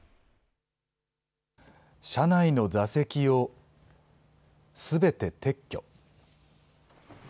車内の座席を、すべて撤去。